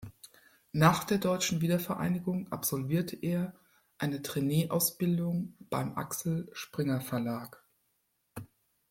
Nach der deutschen Wiedervereinigung absolvierte er eine Trainee-Ausbildung beim Axel Springer Verlag.